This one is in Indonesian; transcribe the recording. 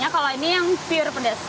kalau ini yang pure pedas